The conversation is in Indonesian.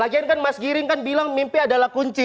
lagian kan mas giring kan bilang mimpi adalah kunci